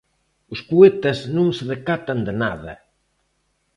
Os poetas non se decatan de nada.